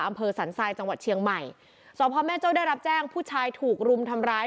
อำเภอสันทรายจังหวัดเชียงใหม่สพแม่โจ้ได้รับแจ้งผู้ชายถูกรุมทำร้าย